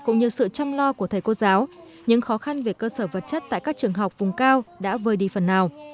cũng như sự chăm lo của thầy cô giáo những khó khăn về cơ sở vật chất tại các trường học vùng cao đã vơi đi phần nào